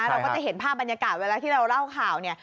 เราก็จะเห็นภาพบรรยากาศเวลาที่เราเล่าข่าวเนี่ย